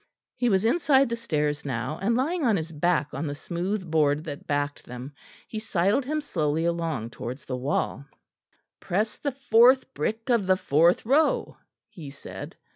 He was inside the stairs now and lying on his back on the smooth board that backed them. He sidled himself slowly along towards the wall. "Press the fourth brick of the fourth row," he said.